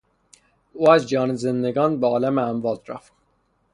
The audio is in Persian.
او از جهان زندگان به عالم اموات رفت.